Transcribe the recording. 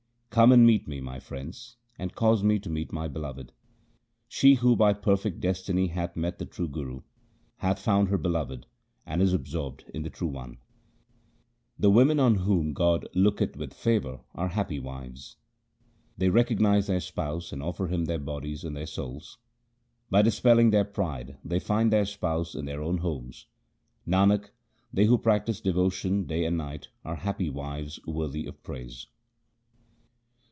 Come and meet me, my friends, and cause me to meet my Beloved. She who by perfect destiny hath met the true Guru, hath found her Beloved and is absorbed in the True One. 158 THE SIKH RELIGION The women on whom God looketh with favour are happy wives : They recognize their Spouse, and offer Him their bodies and their souls. By dispelling their pride, they find their Spouse in their own homes. Nanak, they who practise devotion day and night are happy wives worthy of praise.